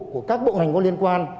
của các bộ hành quân liên quan